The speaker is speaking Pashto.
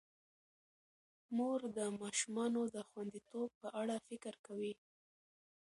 مور د ماشومانو د خوندیتوب په اړه فکر کوي.